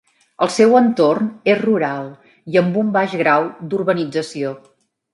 El seu entorn és rural i amb un baix grau d'urbanització.